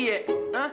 gue bersihin ya